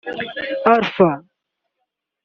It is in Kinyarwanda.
Alpha